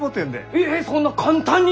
ええっそんな簡単に！？